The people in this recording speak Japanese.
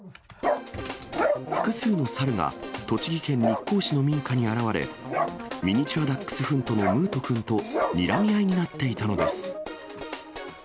複数の猿が栃木県日光市の民家に現れ、ミニチュアダックスフントのムート君とにらみ合いになっていたのです。